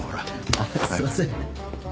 あっすいません。